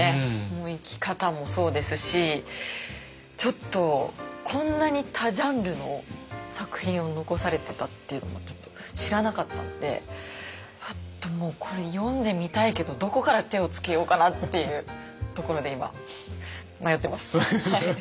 もう生き方もそうですしちょっとこんなに多ジャンルの作品を残されてたっていうのもちょっと知らなかったのでもうこれ読んでみたいけどどこから手をつけようかなっていうところで今迷ってます。